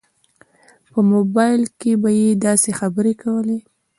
په موبایل کې به یې داسې خبرې کولې.